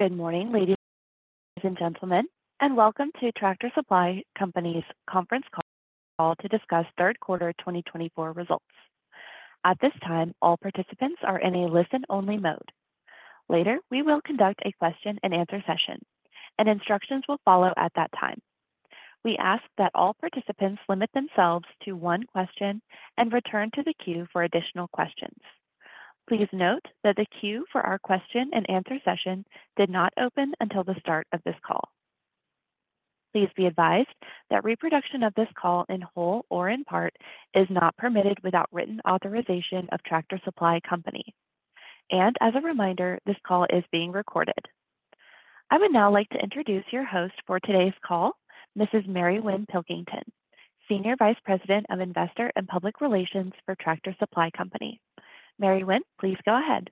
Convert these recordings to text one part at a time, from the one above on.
Good morning, ladies and gentlemen, and welcome to Tractor Supply Company's conference call to discuss third quarter twenty twenty-four results. At this time, all participants are in a listen-only mode. Later, we will conduct a question-and-answer session, and instructions will follow at that time. We ask that all participants limit themselves to one question and return to the queue for additional questions. Please note that the queue for our question-and-answer session did not open until the start of this call. Please be advised that reproduction of this call in whole or in part is not permitted without written authorization of Tractor Supply Company. And as a reminder, this call is being recorded. I would now like to introduce your host for today's call, Mrs. Mary Winn Pilkington, Senior Vice President of Investor and Public Relations for Tractor Supply Company. Mary Winn, please go ahead.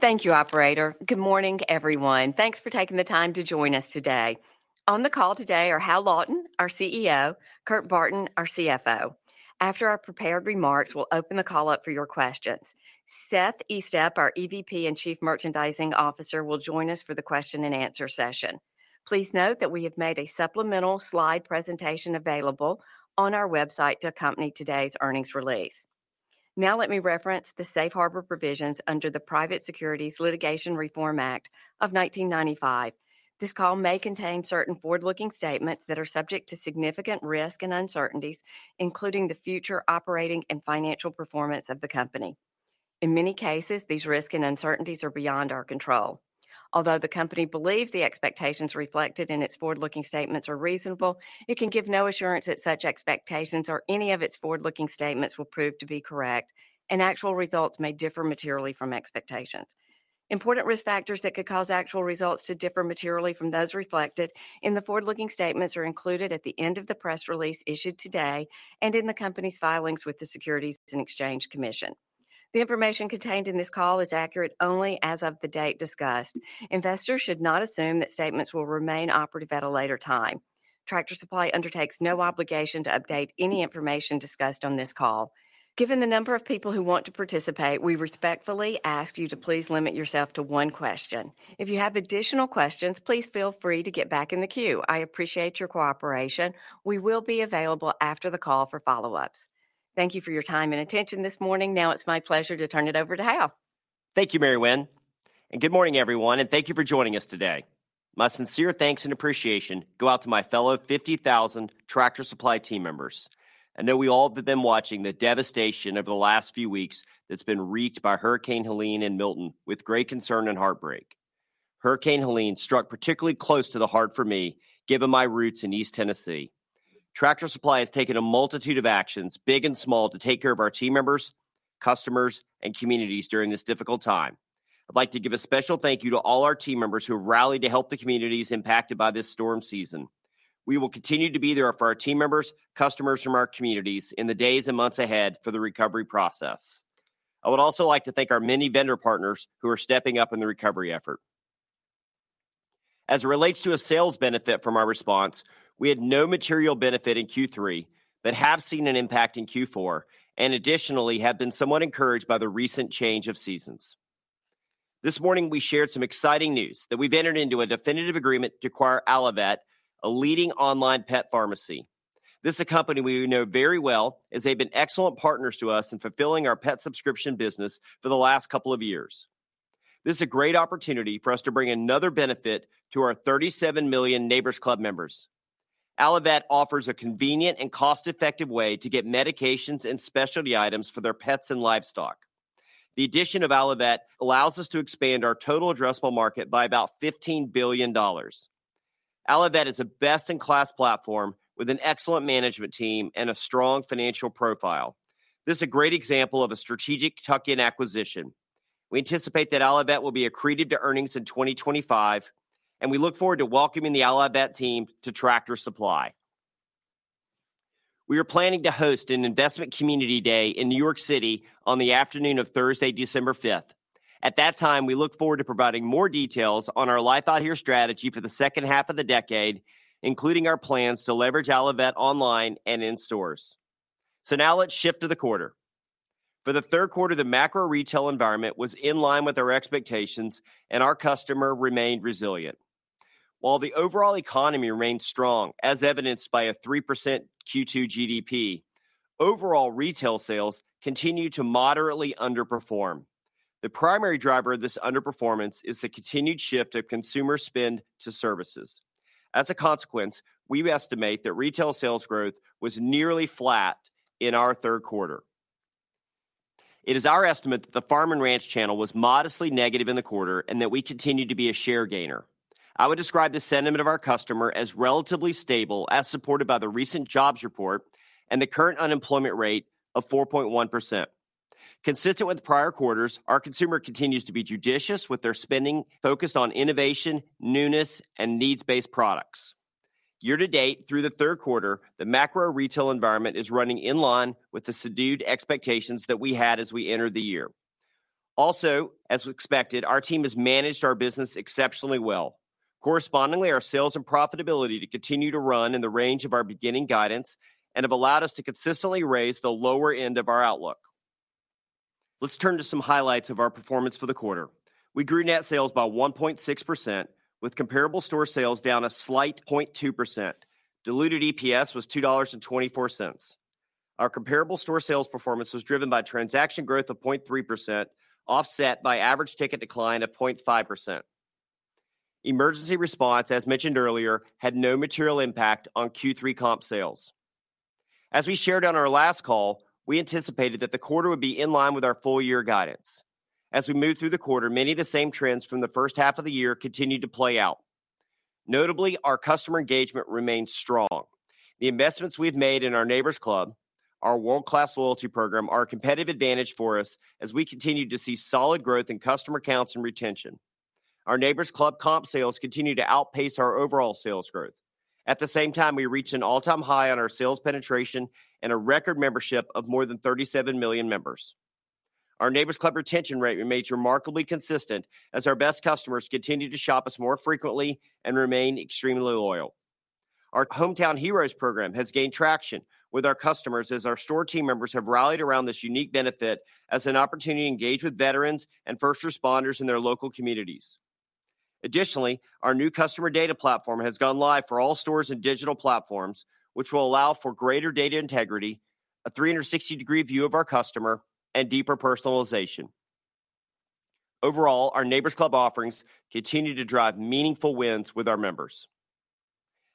Thank you, operator. Good morning, everyone. Thanks for taking the time to join us today. On the call today are Hal Lawton, our CEO, Kurt Barton, our CFO. After our prepared remarks, we'll open the call up for your questions. Seth Estep, our EVP and Chief Merchandising Officer, will join us for the question-and-answer session. Please note that we have made a supplemental slide presentation available on our website to accompany today's earnings release. Now, let me reference the Safe Harbor provisions under the Private Securities Litigation Reform Act of 1995. This call may contain certain forward-looking statements that are subject to significant risk and uncertainties, including the future operating and financial performance of the company. In many cases, these risks and uncertainties are beyond our control. Although the company believes the expectations reflected in its forward-looking statements are reasonable, it can give no assurance that such expectations or any of its forward-looking statements will prove to be correct, and actual results may differ materially from expectations. Important risk factors that could cause actual results to differ materially from those reflected in the forward-looking statements are included at the end of the press release issued today and in the company's filings with the Securities and Exchange Commission. The information contained in this call is accurate only as of the date discussed. Investors should not assume that statements will remain operative at a later time. Tractor Supply undertakes no obligation to update any information discussed on this call. Given the number of people who want to participate, we respectfully ask you to please limit yourself to one question. If you have additional questions, please feel free to get back in the queue. I appreciate your cooperation. We will be available after the call for follow-ups. Thank you for your time and attention this morning. Now it's my pleasure to turn it over to Hal. Thank you, Mary Winn, and good morning, everyone, and thank you for joining us today. My sincere thanks and appreciation go out to my fellow fifty thousand Tractor Supply team members. I know we all have been watching the devastation over the last few weeks that's been wreaked by Hurricane Helene and Milton with great concern and heartbreak. Hurricane Helene struck particularly close to the heart for me, given my roots in East Tennessee. Tractor Supply has taken a multitude of actions, big and small, to take care of our team members, customers, and communities during this difficult time. I'd like to give a special thank you to all our team members who have rallied to help the communities impacted by this storm season. We will continue to be there for our team members, customers from our communities in the days and months ahead for the recovery process. I would also like to thank our many vendor partners who are stepping up in the recovery effort. As it relates to a sales benefit from our response, we had no material benefit in Q3, but have seen an impact in Q4 and additionally have been somewhat encouraged by the recent change of seasons. This morning, we shared some exciting news that we've entered into a definitive agreement to acquire Allivet, a leading online pet pharmacy. This is a company we know very well, as they've been excellent partners to us in fulfilling our pet subscription business for the last couple of years. This is a great opportunity for us to bring another benefit to our 37 million Neighbor's Club members. Allivet offers a convenient and cost-effective way to get medications and specialty items for their pets and livestock. The addition of Allivet allows us to expand our total addressable market by about $15 billion. Allivet is a best-in-class platform with an excellent management team and a strong financial profile. This is a great example of a strategic tuck-in acquisition. We anticipate that Allivet will be accreted to earnings in 2025, and we look forward to welcoming the Allivet team to Tractor Supply. We are planning to host an Investment Community Day in New York City on the afternoon of Thursday, December fifth. At that time, we look forward to providing more details on our Life Out Here strategy for the second half of the decade, including our plans to leverage Allivet online and in stores. So now let's shift to the quarter. For the third quarter, the macro retail environment was in line with our expectations, and our customer remained resilient. While the overall economy remained strong, as evidenced by a 3% Q2 GDP, overall retail sales continued to moderately underperform. The primary driver of this underperformance is the continued shift of consumer spend to services. As a consequence, we estimate that retail sales growth was nearly flat in our third quarter. It is our estimate that the farm and ranch channel was modestly negative in the quarter and that we continued to be a share gainer. I would describe the sentiment of our customer as relatively stable, as supported by the recent jobs report and the current unemployment rate of 4.1%. Consistent with prior quarters, our consumer continues to be judicious with their spending, focused on innovation, newness, and needs-based products. Year to date, through the third quarter, the macro retail environment is running in line with the subdued expectations that we had as we entered the year. Also, as expected, our team has managed our business exceptionally well... Correspondingly, our sales and profitability to continue to run in the range of our beginning guidance and have allowed us to consistently raise the lower end of our outlook. Let's turn to some highlights of our performance for the quarter. We grew net sales by 1.6%, with comparable store sales down a slight 0.2%. Diluted EPS was $2.24. Our comparable store sales performance was driven by transaction growth of 0.3%, offset by average ticket decline of 0.5%. Emergency response, as mentioned earlier, had no material impact on Q3 comp sales. As we shared on our last call, we anticipated that the quarter would be in line with our full year guidance. As we moved through the quarter, many of the same trends from the first half of the year continued to play out. Notably, our customer engagement remained strong. The investments we've made in our Neighbor's Club, our world-class loyalty program, are a competitive advantage for us as we continue to see solid growth in customer counts and retention. Our Neighbor's Club comp sales continue to outpace our overall sales growth. At the same time, we reached an all-time high on our sales penetration and a record membership of more than 37 million members. Our Neighbor's Club retention rate remains remarkably consistent as our best customers continue to shop us more frequently and remain extremely loyal. Our Hometown Heroes program has gained traction with our customers as our store team members have rallied around this unique benefit as an opportunity to engage with veterans and first responders in their local communities. Additionally, our new customer data platform has gone live for all stores and digital platforms, which will allow for greater data integrity, a three hundred and sixty degree view of our customer, and deeper personalization. Overall, our Neighbor's Club offerings continue to drive meaningful wins with our members.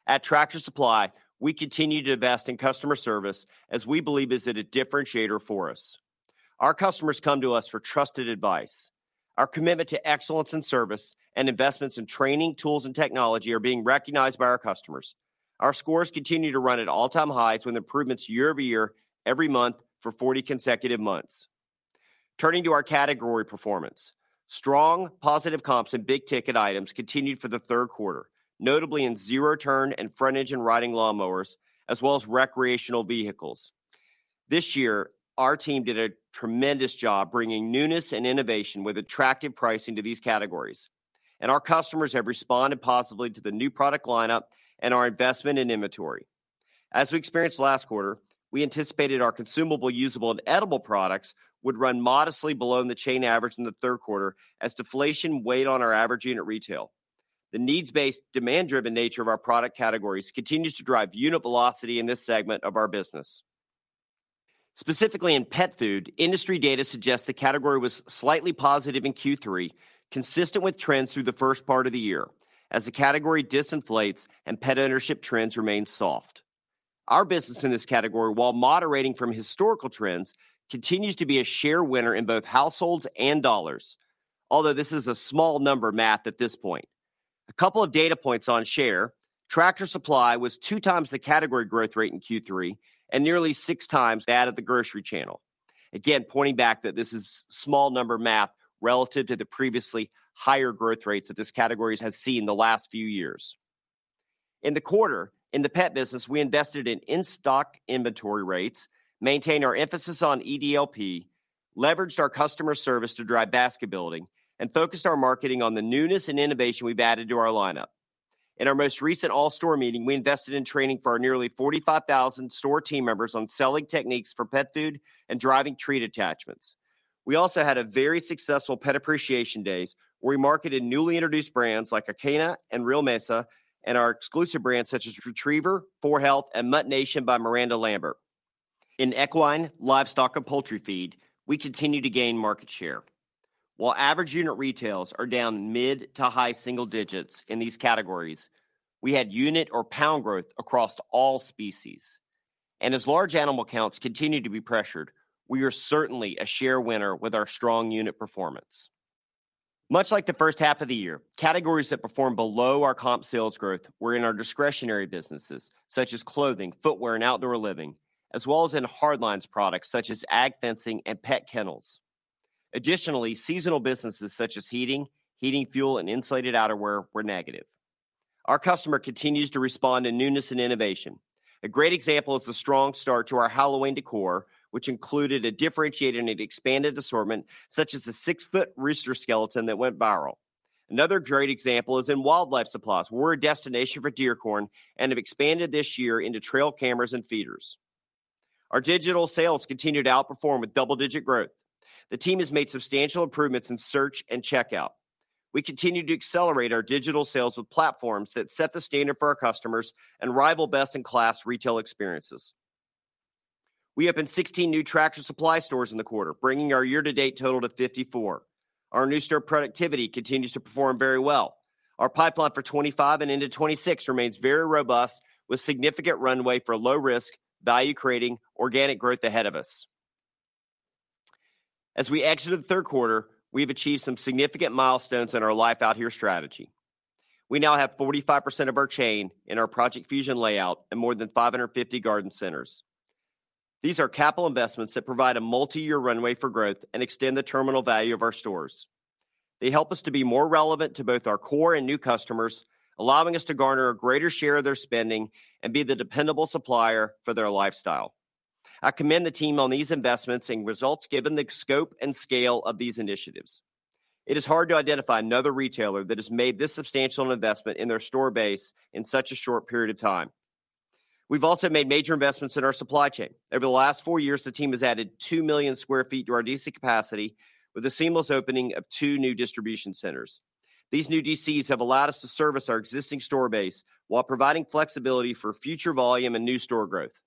At Tractor Supply, we continue to invest in customer service as we believe is at a differentiator for us. Our customers come to us for trusted advice. Our commitment to excellence in service and investments in training, tools, and technology are being recognized by our customers. Our scores continue to run at all-time highs with improvements year over year, every month for forty consecutive months. Turning to our category performance, strong positive comps and big-ticket items continued for the third quarter, notably in zero-turn and front engine and riding lawn mowers, as well as recreational vehicles. This year, our team did a tremendous job bringing newness and innovation with attractive pricing to these categories, and our customers have responded positively to the new product lineup and our investment in inventory. As we experienced last quarter, we anticipated our consumable, usable, and edible products would run modestly below the chain average in the third quarter as deflation weighed on our average unit retail. The needs-based, demand-driven nature of our product categories continues to drive unit velocity in this segment of our business. Specifically in pet food, industry data suggests the category was slightly positive in Q3, consistent with trends through the first part of the year, as the category disinflates and pet ownership trends remain soft. Our business in this category, while moderating from historical trends, continues to be a share winner in both households and dollars, although this is a small number math at this point. A couple of data points on share. Tractor Supply was two times the category growth rate in Q3 and nearly six times that of the grocery channel. Again, pointing back that this is small number math relative to the previously higher growth rates that this category has seen in the last few years. In the quarter, in the pet business, we invested in-stock inventory rates, maintained our emphasis on EDLP, leveraged our customer service to drive basket building, and focused our marketing on the newness and innovation we've added to our lineup. In our most recent all-store meeting, we invested in training for our nearly forty-five thousand store team members on selling techniques for pet food and driving treat attachments. We also had a very successful Pet Appreciation Days, where we marketed newly introduced brands like Acana and Real Mesa, and our exclusive brands such as Retriever, 4health, and MuttNation by Miranda Lambert. In equine, livestock, and poultry feed, we continue to gain market share. While average unit retails are down mid to high single digits in these categories, we had unit or pound growth across all species, and as large animal counts continue to be pressured, we are certainly a share winner with our strong unit performance. Much like the first half of the year, categories that performed below our comp sales growth were in our discretionary businesses, such as clothing, footwear, and outdoor living, as well as in hard lines products such as ag fencing and pet kennels. Additionally, seasonal businesses such as heating, heating fuel, and insulated outerwear were negative. Our customer continues to respond to newness and innovation. A great example is the strong start to our Halloween decor, which included a differentiated and expanded assortment, such as the six-foot rooster skeleton that went viral. Another great example is in wildlife supplies. We're a destination for deer corn and have expanded this year into trail cameras and feeders. Our digital sales continue to outperform with double-digit growth. The team has made substantial improvements in search and checkout. We continue to accelerate our digital sales with platforms that set the standard for our customers and rival best-in-class retail experiences. We opened 16 new Tractor Supply stores in the quarter, bringing our year-to-date total to 54. Our new store productivity continues to perform very well. Our pipeline for 25 and into 26 remains very robust, with significant runway for low risk, value-creating, organic growth ahead of us. As we exit the third quarter, we've achieved some significant milestones in our Life Out Here strategy. We now have 45% of our chain in our Project Fusion layout and more than 550 garden centers. These are capital investments that provide a multi-year runway for growth and extend the terminal value of our stores. They help us to be more relevant to both our core and new customers, allowing us to garner a greater share of their spending and be the dependable supplier for their lifestyle. I commend the team on these investments and results, given the scope and scale of these initiatives. It is hard to identify another retailer that has made this substantial investment in their store base in such a short period of time. We've also made major investments in our supply chain. Over the last four years, the team has added two million sq ft to our DC capacity, with the seamless opening of two new distribution centers. These new DCs have allowed us to service our existing store base while providing flexibility for future volume and new store growth.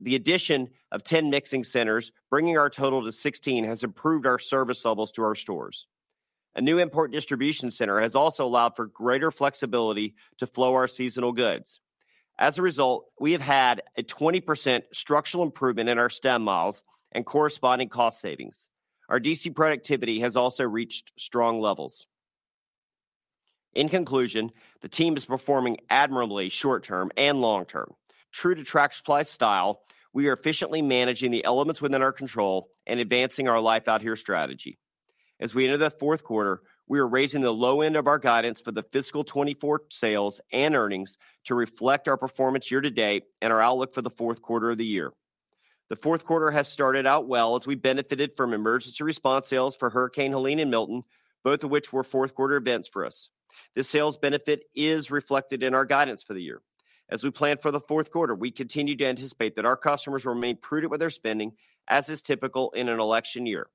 The addition of 10 mixing centers, bringing our total to 16, has improved our service levels to our stores. A new import distribution center has also allowed for greater flexibility to flow our seasonal goods. As a result, we have had a 20% structural improvement in our stem miles and corresponding cost savings. Our DC productivity has also reached strong levels. In conclusion, the team is performing admirably, short term and long term. True to Tractor Supply style, we are efficiently managing the elements within our control and advancing our Life Out Here strategy. As we enter the fourth quarter, we are raising the low end of our guidance for the fiscal 2024 sales and earnings to reflect our performance year to date and our outlook for the fourth quarter of the year. The fourth quarter has started out well as we benefited from emergency response sales for Hurricane Helene and Milton, both of which were fourth quarter events for us. This sales benefit is reflected in our guidance for the year. As we plan for the fourth quarter, we continue to anticipate that our customers remain prudent with their spending, as is typical in an election year.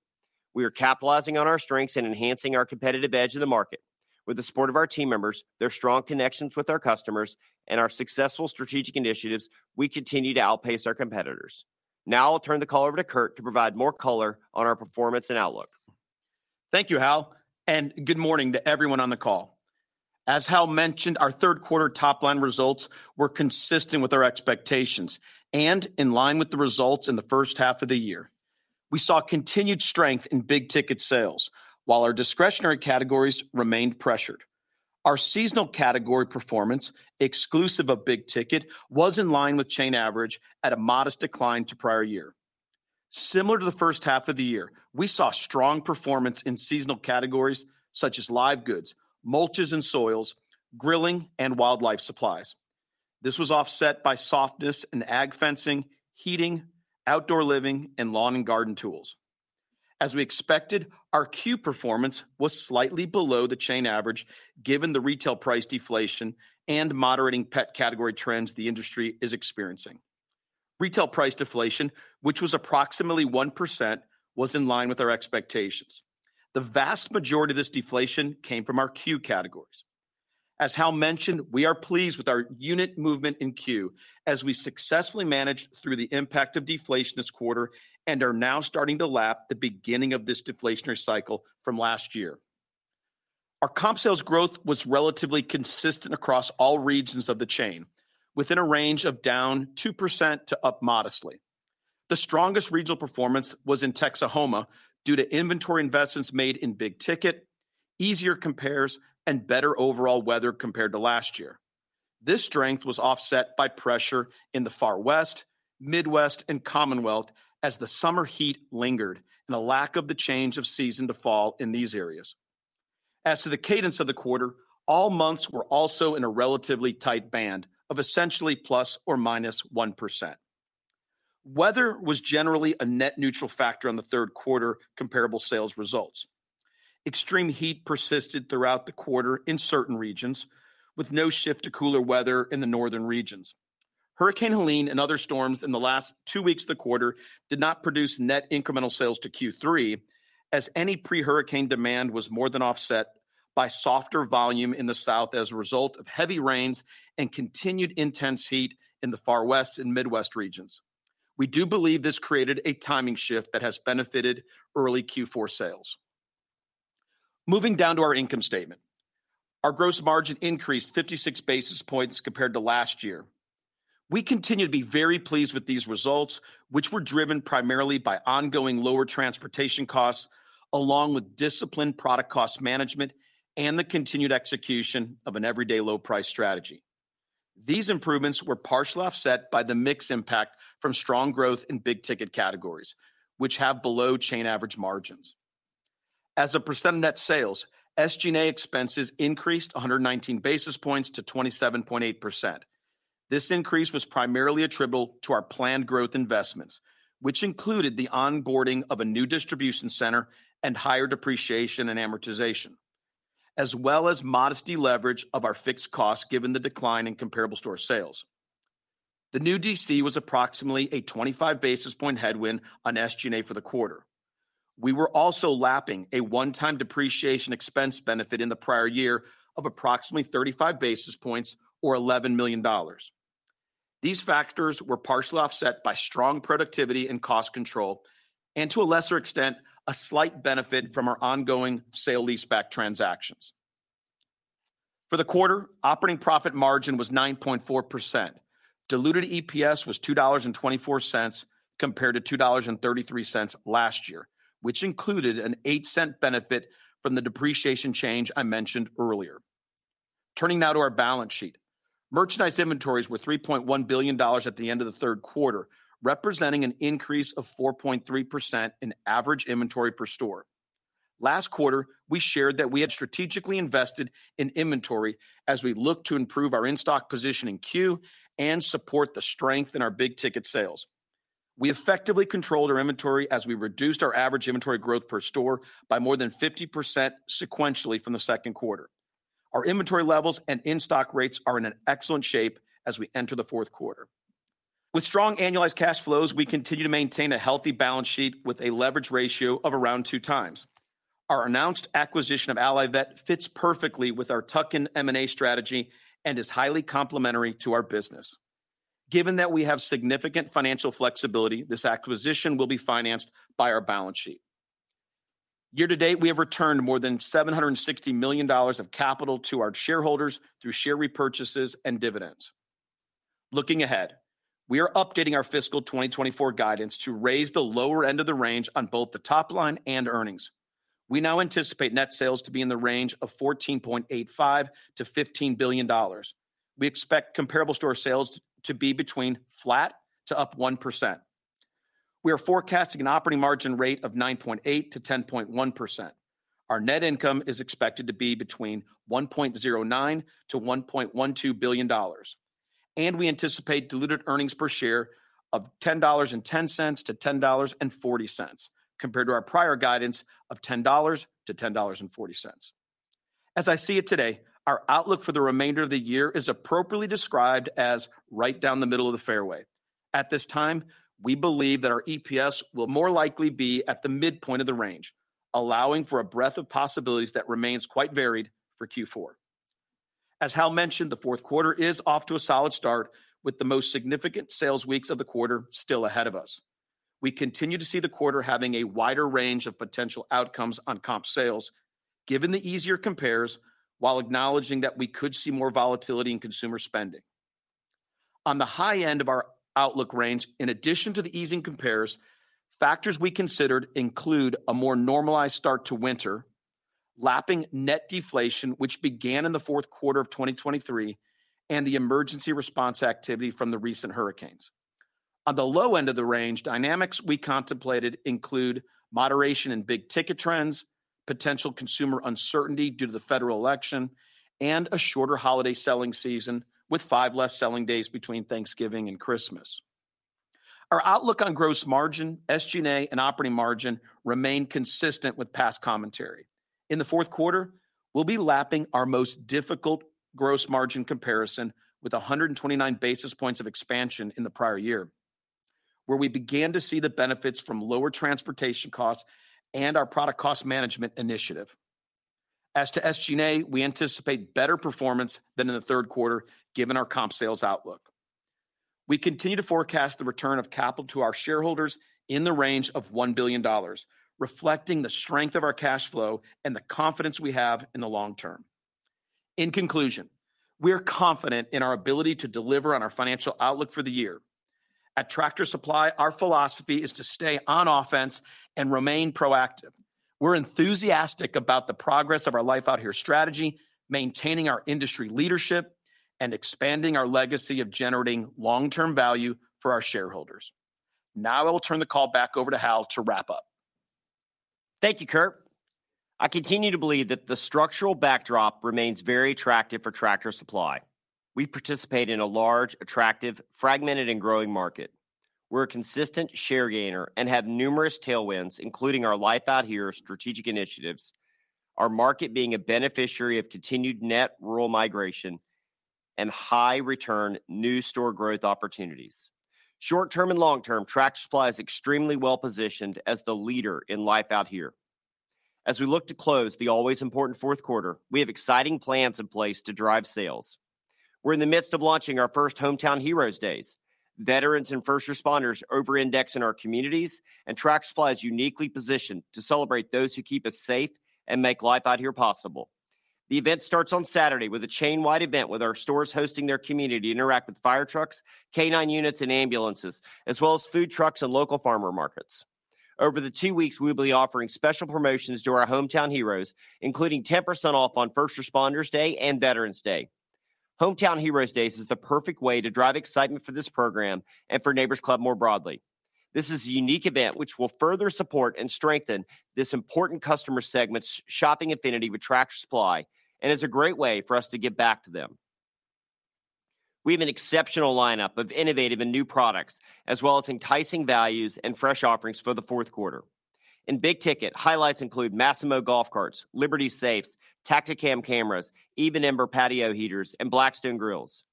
We are capitalizing on our strengths and enhancing our competitive edge in the market. With the support of our team members, their strong connections with our customers, and our successful strategic initiatives, we continue to outpace our competitors. Now I'll turn the call over to Kurt to provide more color on our performance and outlook. Thank you, Hal, and good morning to everyone on the call. As Hal mentioned, our third quarter top-line results were consistent with our expectations and in line with the results in the first half of the year. We saw continued strength in big ticket sales, while our discretionary categories remained pressured. Our seasonal category performance, exclusive of big ticket, was in line with chain average at a modest decline to prior year. Similar to the first half of the year, we saw strong performance in seasonal categories such as live goods, mulches and soils, grilling, and wildlife supplies. This was offset by softness in ag fencing, heating, outdoor living, and lawn and garden tools. As we expected, our Q performance was slightly below the chain average, given the retail price deflation and moderating pet category trends the industry is experiencing. Retail price deflation, which was approximately 1%, was in line with our expectations. The vast majority of this deflation came from our Q categories. As Hal mentioned, we are pleased with our unit movement in Q, as we successfully managed through the impact of deflation this quarter and are now starting to lap the beginning of this deflationary cycle from last year. Our comp sales growth was relatively consistent across all regions of the chain, within a range of down 2% to up modestly. The strongest regional performance was in Texahoma due to inventory investments made in big ticket, easier compares, and better overall weather compared to last year. This strength was offset by pressure in the Far West, Midwest, and Commonwealth as the summer heat lingered and a lack of the change of season to fall in these areas. As to the cadence of the quarter, all months were also in a relatively tight band of essentially plus or minus 1%. Weather was generally a net neutral factor on the third quarter comparable sales results. Extreme heat persisted throughout the quarter in certain regions, with no shift to cooler weather in the northern regions. Hurricane Helene and other storms in the last two weeks of the quarter did not produce net incremental sales to Q3, as any pre-hurricane demand was more than offset by softer volume in the South as a result of heavy rains and continued intense heat in the Far West and Midwest regions. We do believe this created a timing shift that has benefited early Q4 sales. Moving down to our income statement, our gross margin increased fifty-six basis points compared to last year. We continue to be very pleased with these results, which were driven primarily by ongoing lower transportation costs, along with disciplined product cost management and the continued execution of an everyday low price strategy. These improvements were partially offset by the mix impact from strong growth in big-ticket categories, which have below chain average margins. As a percent of net sales, SG&A expenses increased 119 basis points to 27.8%. This increase was primarily attributable to our planned growth investments, which included the onboarding of a new distribution center and higher depreciation and amortization, as well as modest leverage of our fixed costs, given the decline in comparable store sales. The new DC was approximately a 25 basis points headwind on SG&A for the quarter. We were also lapping a one-time depreciation expense benefit in the prior year of approximately 35 basis points or $11 million. These factors were partially offset by strong productivity and cost control, and to a lesser extent, a slight benefit from our ongoing sale leaseback transactions. For the quarter, operating profit margin was 9.4%. Diluted EPS was $2.24, compared to $2.33 last year, which included an $0.08 benefit from the depreciation change I mentioned earlier. Turning now to our balance sheet. Merchandise inventories were $3.1 billion at the end of the third quarter, representing an increase of 4.3% in average inventory per store. Last quarter, we shared that we had strategically invested in inventory as we look to improve our in-stock position in Q4 and support the strength in our big ticket sales. We effectively controlled our inventory as we reduced our average inventory growth per store by more than 50% sequentially from the second quarter. Our inventory levels and in-stock rates are in an excellent shape as we enter the fourth quarter. With strong annualized cash flows, we continue to maintain a healthy balance sheet with a leverage ratio of around two times. Our announced acquisition of Allivet fits perfectly with our tuck-in M&A strategy and is highly complementary to our business. Given that we have significant financial flexibility, this acquisition will be financed by our balance sheet. Year to date, we have returned more than $760 million of capital to our shareholders through share repurchases and dividends. Looking ahead, we are updating our fiscal 2024 guidance to raise the lower end of the range on both the top line and earnings. We now anticipate net sales to be in the range of $14.85-$15 billion. We expect comparable store sales to be between flat to up 1%. We are forecasting an operating margin rate of 9.8%-10.1%. Our net income is expected to be between $1.09-$1.12 billion, and we anticipate diluted earnings per share of $10.10-$10.40, compared to our prior guidance of $10-$10.40. As I see it today, our outlook for the remainder of the year is appropriately described as right down the middle of the fairway. At this time, we believe that our EPS will more likely be at the midpoint of the range, allowing for a breadth of possibilities that remains quite varied for Q4. As Hal mentioned, the fourth quarter is off to a solid start with the most significant sales weeks of the quarter still ahead of us. We continue to see the quarter having a wider range of potential outcomes on comp sales, given the easier compares, while acknowledging that we could see more volatility in consumer spending. On the high end of our outlook range, in addition to the easing compares, factors we considered include a more normalized start to winter, lapping net deflation, which began in the fourth quarter of 2023, and the emergency response activity from the recent hurricanes. On the low end of the range, dynamics we contemplated include moderation in big-ticket trends, potential consumer uncertainty due to the federal election, and a shorter holiday selling season, with five less selling days between Thanksgiving and Christmas. Our outlook on gross margin, SG&A, and operating margin remain consistent with past commentary. In the fourth quarter, we'll be lapping our most difficult gross margin comparison with 129 basis points of expansion in the prior year, where we began to see the benefits from lower transportation costs and our product cost management initiative. As to SG&A, we anticipate better performance than in the third quarter, given our comp sales outlook. We continue to forecast the return of capital to our shareholders in the range of $1 billion, reflecting the strength of our cash flow and the confidence we have in the long term. In conclusion, we are confident in our ability to deliver on our financial outlook for the year. At Tractor Supply, our philosophy is to stay on offense and remain proactive. We're enthusiastic about the progress of our Life Out Here strategy, maintaining our industry leadership, and expanding our legacy of generating long-term value for our shareholders. Now I will turn the call back over to Hal to wrap up. Thank you, Kurt. I continue to believe that the structural backdrop remains very attractive for Tractor Supply. We participate in a large, attractive, fragmented, and growing market. We're a consistent share gainer and have numerous tailwinds, including our Life Out Here strategic initiatives, our market being a beneficiary of continued net rural migration, and high-return new store growth opportunities. Short-term and long-term, Tractor Supply is extremely well-positioned as the leader in Life Out Here. As we look to close the always important fourth quarter, we have exciting plans in place to drive sales. We're in the midst of launching our first Hometown Heroes Days. Veterans and first responders over-index in our communities, and Tractor Supply is uniquely positioned to celebrate those who keep us safe and make Life Out Here possible. The event starts on Saturday with a chain-wide event, with our stores hosting their community to interact with fire trucks, K-9 units, and ambulances, as well as food trucks and local farmers markets. Over the two weeks, we will be offering special promotions to our Hometown Heroes, including 10% off on First Responders Day and Veterans Day. Hometown Heroes Days is the perfect way to drive excitement for this program and for Neighbor's Club more broadly. This is a unique event which will further support and strengthen this important customer segment's shopping affinity with Tractor Supply, and is a great way for us to give back to them. We have an exceptional lineup of innovative and new products, as well as enticing values and fresh offerings for the fourth quarter. In big ticket, highlights include Massimo golf carts, Liberty safes, Tactacam cameras, Even Embers patio heaters, and Blackstone grills.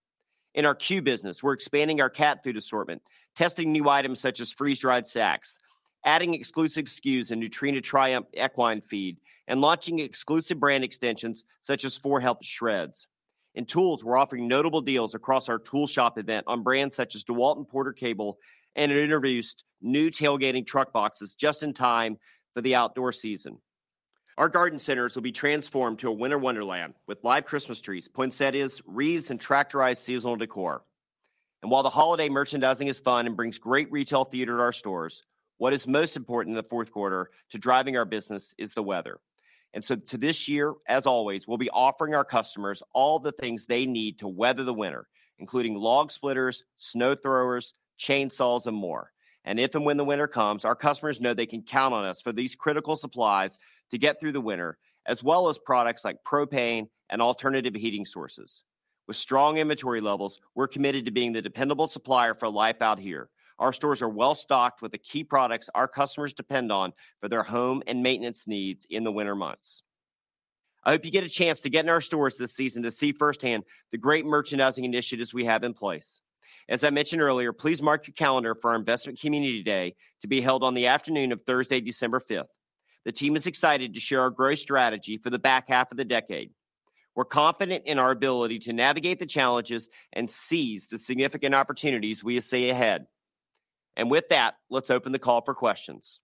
In our pet business, we're expanding our cat food assortment, testing new items such as freeze-dried snacks, adding exclusive SKUs and Nutrena Triumph equine feed, and launching exclusive brand extensions, such as 4health Shreds. In tools, we're offering notable deals across our Tool Shop event on brands such as DeWalt and Porter-Cable, and it introduced new tailgating truck boxes just in time for the outdoor season. Our garden centers will be transformed to a winter wonderland, with live Christmas trees, poinsettias, wreaths, and tractorized seasonal decor. And while the holiday merchandising is fun and brings great retail theater to our stores, what is most important in the fourth quarter to driving our business is the weather. And so, too, this year, as always, we'll be offering our customers all the things they need to weather the winter, including log splitters, snow throwers, chainsaws, and more. If and when the winter comes, our customers know they can count on us for these critical supplies to get through the winter, as well as products like propane and alternative heating sources. With strong inventory levels, we're committed to being the dependable supplier for Life Out Here. Our stores are well-stocked with the key products our customers depend on for their home and maintenance needs in the winter months. I hope you get a chance to get in our stores this season to see firsthand the great merchandising initiatives we have in place. As I mentioned earlier, please mark your calendar for our Investment Community Day to be held on the afternoon of Thursday, December fifth. The team is excited to share our growth strategy for the back half of the decade. We're confident in our ability to navigate the challenges and seize the significant opportunities we see ahead. And with that, let's open the call for questions.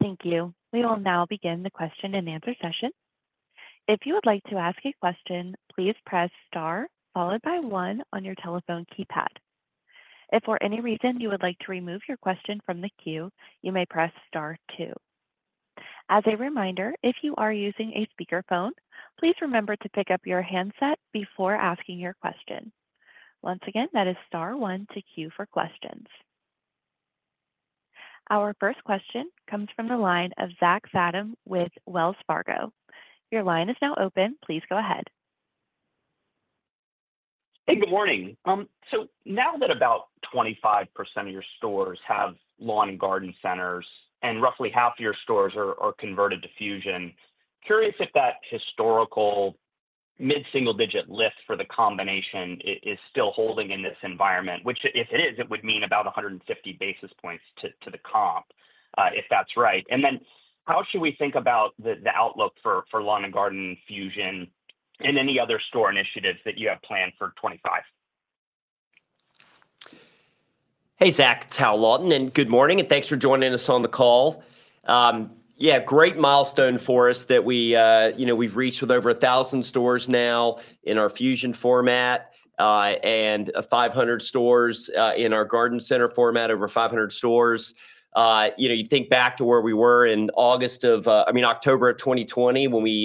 Thank you. We will now begin the question-and-answer session. If you would like to ask a question, please press star followed by one on your telephone keypad. If for any reason you would like to remove your question from the queue, you may press star two. As a reminder, if you are using a speakerphone, please remember to pick up your handset before asking your question. Once again, that is star one to queue for questions. Our first question comes from the line of Zach Fadem with Wells Fargo. Your line is now open. Please go ahead. Hey, good morning. So now that about 25% of your stores have lawn and garden centers, and roughly half of your stores are converted to Fusion, curious if that historical mid-single-digit lift for the combination is still holding in this environment, which, if it is, it would mean about 150 basis points to the comp, if that's right. And then how should we think about the outlook for Lawn and Garden Fusion and any other store initiatives that you have planned for 2025? Hey, Zach, it's Hal Lawton, and good morning, and thanks for joining us on the call. Yeah, great milestone for us that we, you know, we've reached with over 1,000 stores now in our Fusion format, and 500 stores in our Garden Center format, over 500 stores. You know, you think back to where we were in August of, I mean, October of 2020, when we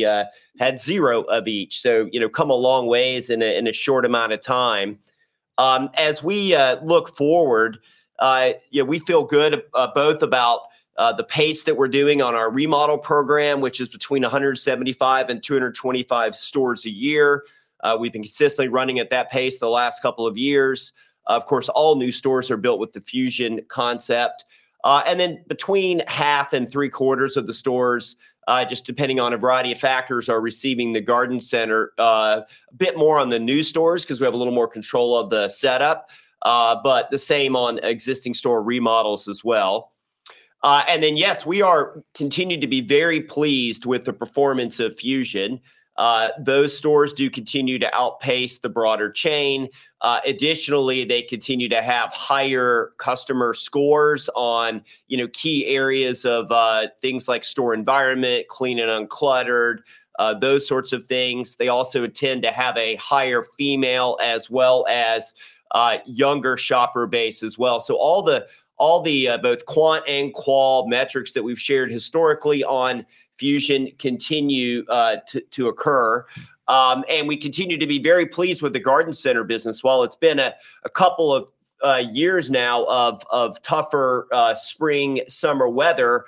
had zero of each, so, you know, come a long ways in a short amount of time. As we look forward, yeah, we feel good both about the pace that we're doing on our remodel program, which is between 175 and 225 stores a year. We've been consistently running at that pace the last couple of years. Of course, all new stores are built with the Fusion concept, and then between half and three-quarters of the stores, just depending on a variety of factors, are receiving the Garden Center. A bit more on the new stores, 'cause we have a little more control of the setup, but the same on existing store remodels as well, and then, yes, we are continuing to be very pleased with the performance of Fusion. Those stores do continue to outpace the broader chain. Additionally, they continue to have higher customer scores on, you know, key areas of, things like store environment, clean and uncluttered, those sorts of things. They also tend to have a higher female as well as, younger shopper base as well. So all the both quant and qual metrics that we've shared historically on Fusion continue to occur. And we continue to be very pleased with the Garden Center business. While it's been a couple of years now of tougher spring, summer weather,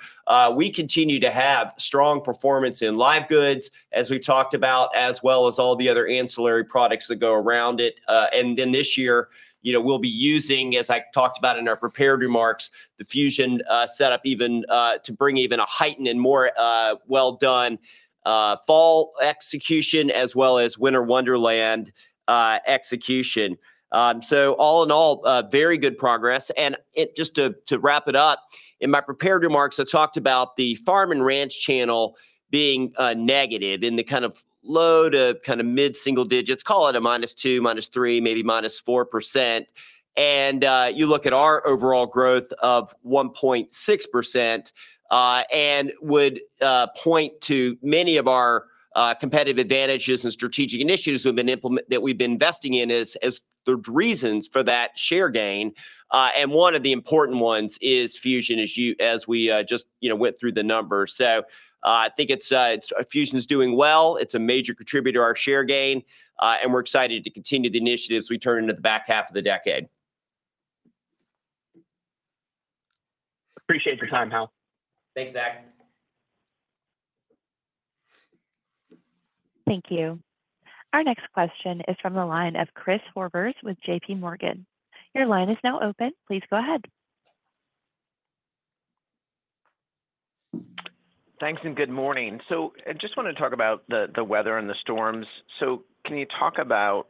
we continue to have strong performance in live goods, as we talked about, as well as all the other ancillary products that go around it. And then this year, you know, we'll be using, as I talked about in our prepared remarks, the Fusion setup even to bring even a heightened and more well-done fall execution, as well as Winter Wonderland execution. So all in all, very good progress. And it just to wrap it up, in my prepared remarks, I talked about the farm and ranch channel being negative in the kind of low to kind of mid-single digits, call it a minus 2, minus 3, maybe minus 4%. And you look at our overall growth of 1.6%, and would point to many of our competitive advantages and strategic initiatives that we've been investing in as the reasons for that share gain. And one of the important ones is Fusion, as we just you know went through the numbers. So I think it's Fusion is doing well. It's a major contributor to our share gain, and we're excited to continue the initiatives we turn into the back half of the decade. Appreciate your time, Hal. Thanks, Zach. Thank you. Our next question is from the line of Chris Horvers with JP Morgan. Your line is now open. Please go ahead. Thanks, and good morning. So I just want to talk about the weather and the storms. So can you talk about,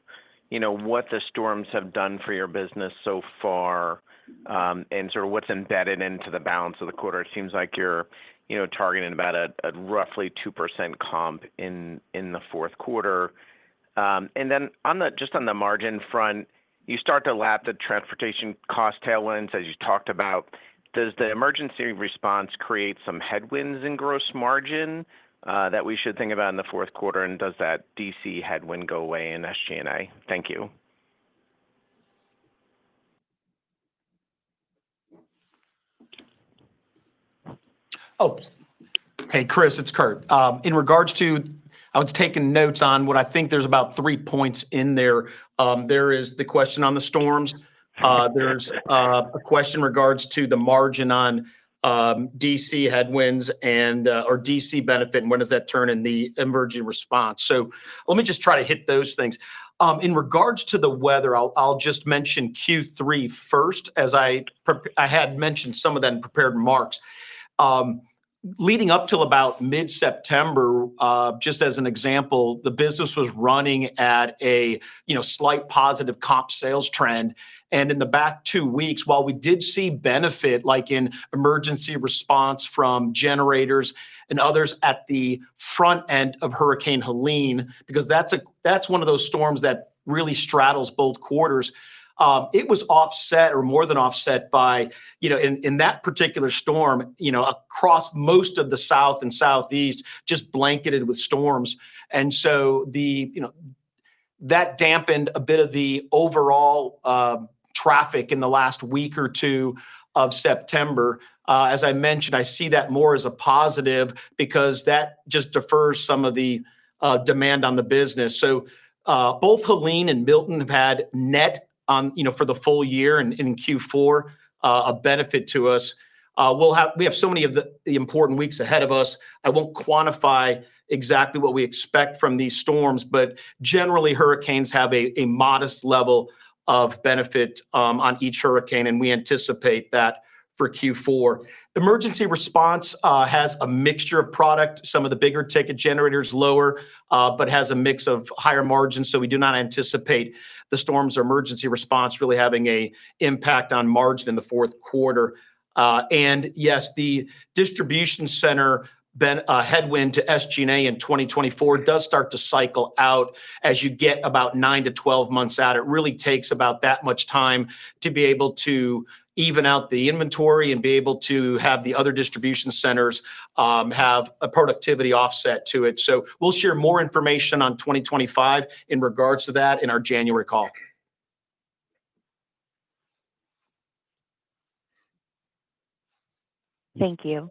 you know, what the storms have done for your business so far, and sort of what's embedded into the balance of the quarter? It seems like you're, you know, targeting about a roughly 2% comp in the fourth quarter. And then just on the margin front, you start to lap the transportation cost tailwinds, as you talked about. Does the emergency response create some headwinds in gross margin, that we should think about in the fourth quarter? And does that DC headwind go away in SG&A? Thank you. Oh! Hey, Chris, it's Kurt. In regards to—I was taking notes on what I think there's about three points in there. There is the question on the storms. There's a question in regards to the margin on DC headwinds and or DC benefit, and when does that turn in the emerging response? So let me just try to hit those things. In regards to the weather, I'll just mention Q3 first, as I prepared—I had mentioned some of that in prepared remarks. Leading up till about mid-September, just as an example, the business was running at a, you know, slight positive comp sales trend. In the back two weeks, while we did see benefit, like in emergency response from generators and others at the front end of Hurricane Helene, because that's one of those storms that really straddles both quarters. It was offset, or more than offset by, you know, in that particular storm, you know, across most of the south and southeast, just blanketed with storms. And so that dampened a bit of the overall traffic in the last week or two of September. As I mentioned, I see that more as a positive because that just defers some of the demand on the business. So both Helene and Milton have had net on, you know, for the full year and in Q4, a benefit to us. We have so many of the important weeks ahead of us. I won't quantify exactly what we expect from these storms, but generally, hurricanes have a modest level of benefit on each hurricane, and we anticipate that for Q4. Emergency response has a mixture of product. Some of the bigger ticket generators lower, but has a mix of higher margins, so we do not anticipate the storms or emergency response really having a impact on margin in the fourth quarter. Yes, the distribution center headwind to SG&A in 2024 does start to cycle out as you get about nine to 12 months out. It really takes about that much time to be able to even out the inventory and be able to have the other distribution centers have a productivity offset to it. So we'll share more information on 2025 in regards to that in our January call. Thank you.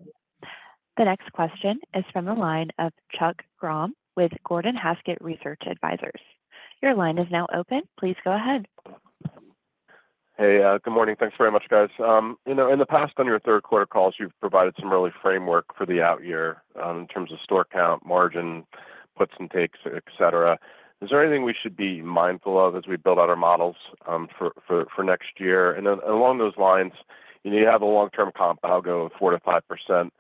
The next question is from the line of Chuck Grom with Gordon Haskett Research Advisors. Your line is now open. Please go ahead. Hey, good morning. Thanks very much, guys. You know, in the past, on your third quarter calls, you've provided some early framework for the out year, in terms of store count, margin, puts and takes, et cetera. Is there anything we should be mindful of as we build out our models, for next year? And then along those lines, you know, you have a long-term comp algo of 4%-5%.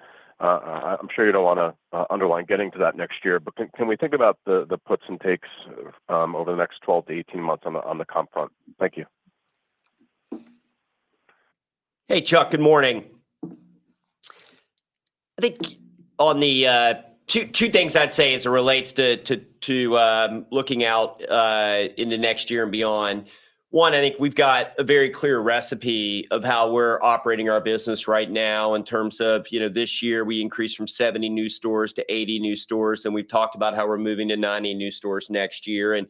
I'm sure you don't wanna underline getting to that next year, but can we think about the puts and takes, over the next 12-18 months on the comp front? Thank you. Hey, Chuck, good morning. I think on the two things I'd say as it relates to looking out into next year and beyond. One, I think we've got a very clear recipe of how we're operating our business right now in terms of, you know, this year, we increased from seventy new stores to eighty new stores, and we've talked about how we're moving to ninety new stores next year.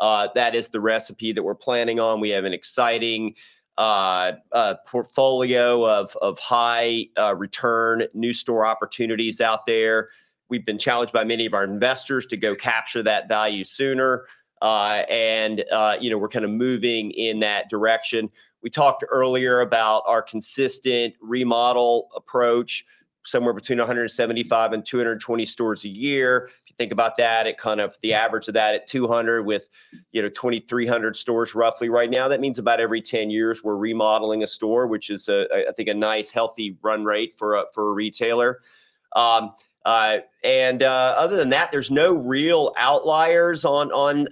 That is the recipe that we're planning on. We have an exciting portfolio of high return new store opportunities out there. We've been challenged by many of our investors to go capture that value sooner, and, you know, we're kind of moving in that direction. We talked earlier about our consistent remodel approach, somewhere between 175 and 220 stores a year. If you think about that, it kind of, the average of that at 200 with, you know, 2,300 stores roughly right now. That means about every 10 years, we're remodeling a store, which is, I think, a nice, healthy run rate for a retailer. And other than that, there's no real outliers on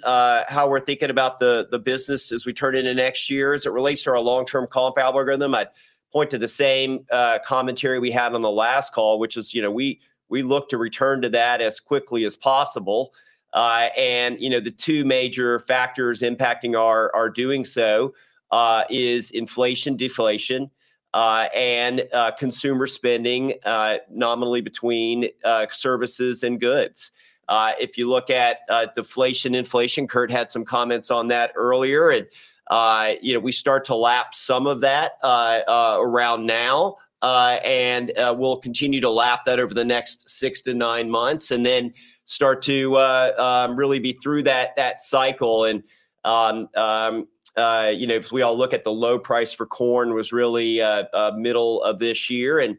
how we're thinking about the business as we turn into next year. As it relates to our long-term comp algorithm, I'd point to the same commentary we had on the last call, which is, you know, we look to return to that as quickly as possible. And, you know, the two major factors impacting our doing so is inflation, deflation, and consumer spending, nominally between services and goods. If you look at deflation, inflation, Kurt had some comments on that earlier, and, you know, we start to lap some of that around now. And, we'll continue to lap that over the next six to nine months and then start to really be through that cycle. And, you know, if we all look at the low price for corn was really middle of this year, and,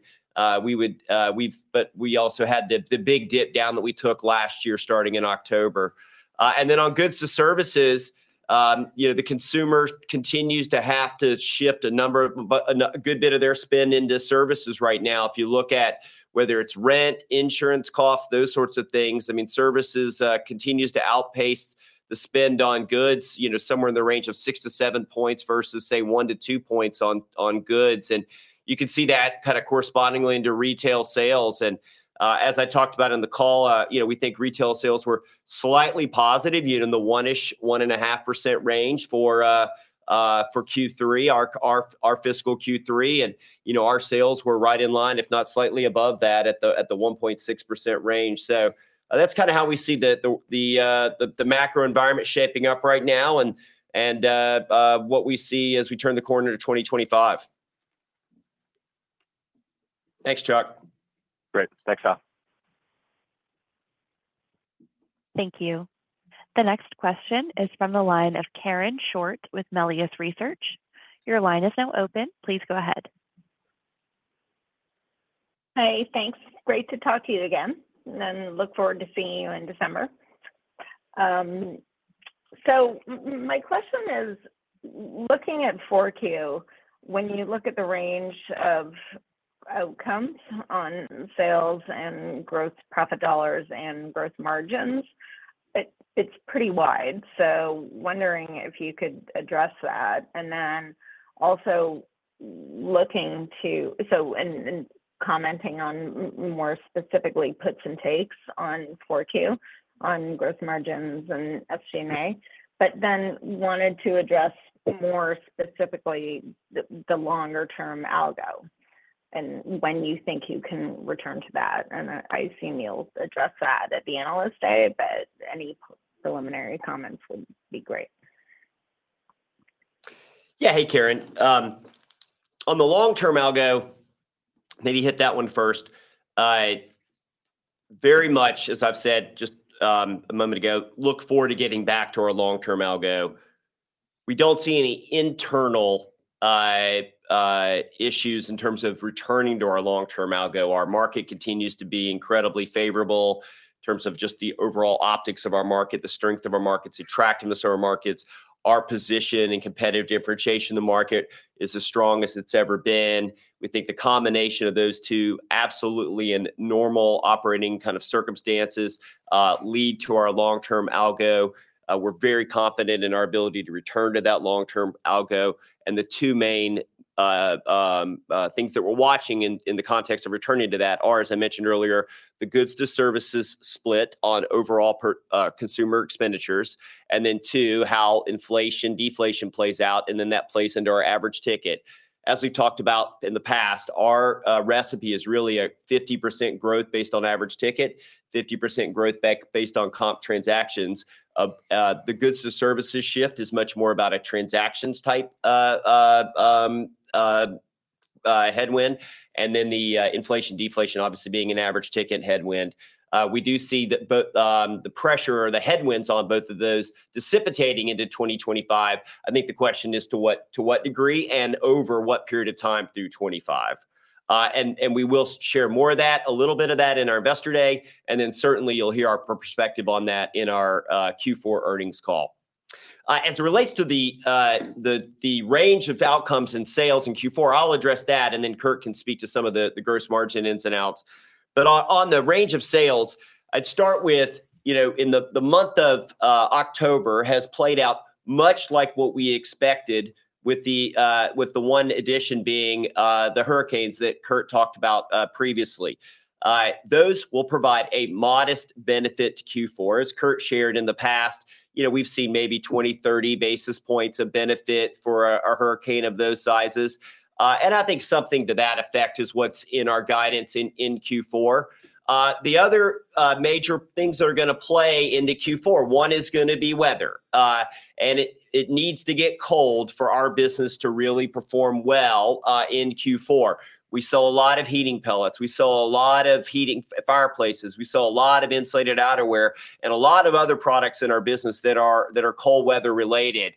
we've but we also had the big dip down that we took last year, starting in October. And then on goods to services, you know, the consumer continues to have to shift a good bit of their spend into services right now. If you look at whether it's rent, insurance costs, those sorts of things, I mean, services continues to outpace the spend on goods, you know, somewhere in the range of six to seven points versus, say, one to two points on goods. And you can see that kind of correspondingly into retail sales. And, as I talked about in the call, you know, we think retail sales were slightly positive, you know, in the one-ish, 1.5% range for Q3, our fiscal Q3. And, you know, our sales were right in line, if not slightly above that, at the 1.6% range. So that's kind of how we see the macro environment shaping up right now, and what we see as we turn the corner to 2025. Thanks, Chuck. Great. Thanks, Hal. Thank you. The next question is from the line of Karen Short with Melius Research. Your line is now open. Please go ahead. Hey, thanks. Great to talk to you again, and look forward to seeing you in December. So my question is, looking at 4Q, when you look at the range of outcomes on sales and growth, profit dollars, and gross margins, it's pretty wide. So wondering if you could address that. And then also, and commenting on more specifically, puts and takes on 4Q on gross margins and SG&A, but then wanted to address more specifically the longer term algo, and when you think you can return to that. And I see Neil address that at the Analyst Day, but any preliminary comments would be great. Yeah. Hey, Karen. On the long term algo, maybe hit that one first. I very much, as I've said just a moment ago, look forward to getting back to our long-term algo. We don't see any internal issues in terms of returning to our long-term algo. Our market continues to be incredibly favorable in terms of just the overall optics of our market, the strength of our markets, attractiveness of our markets. Our position and competitive differentiation in the market is the strongest it's ever been. We think the combination of those two absolutely in normal operating kind of circumstances lead to our long-term algo. We're very confident in our ability to return to that long-term algo. And the two main things that we're watching in the context of returning to that are, as I mentioned earlier, the goods to services split on overall per consumer expenditures, and then two, how inflation, deflation plays out, and then that plays into our average ticket. As we've talked about in the past, our recipe is really a 50% growth based on average ticket, 50% growth based on comp transactions. The goods to services shift is much more about a transactions type headwind, and then the inflation/deflation obviously being an average ticket headwind. We do see that both the pressure or the headwinds on both of those dissipating into twenty twenty-five. I think the question is to what degree and over what period of time through twenty-five? We will share more of that, a little bit of that in our Investor Day, and then certainly you'll hear our perspective on that in our Q4 earnings call. As it relates to the range of outcomes in sales in Q4, I'll address that, and then Kurt can speak to some of the gross margin ins and outs. But on the range of sales, I'd start with, you know, in the month of October has played out much like what we expected with the one addition being the hurricanes that Kurt talked about previously. Those will provide a modest benefit to Q4. As Kurt shared in the past, you know, we've seen maybe 20-30 basis points of benefit for a hurricane of those sizes. And I think something to that effect is what's in our guidance in Q4. The other major things that are gonna play into Q4, one is gonna be weather. And it needs to get cold for our business to really perform well in Q4. We sell a lot of heating pellets. We sell a lot of heating fireplaces. We sell a lot of insulated outerwear and a lot of other products in our business that are cold weather related.